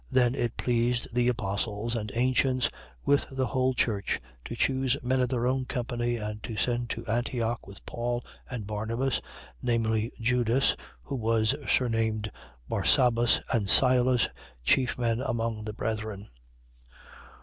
15:22. Then it pleased the apostles and ancients, with the whole church, to choose men of their own company and to send to Antioch with Paul and Barnabas, namely, Judas, who was surnamed Barsabas, and Silas, chief men among the brethren.